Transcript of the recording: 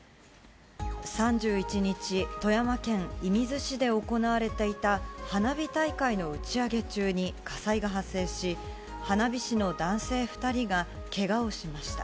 ３１日、富山県射水市で行われていた花火大会の打ち上げ中に火災が発生し、花火師の男性２人がけがをしました。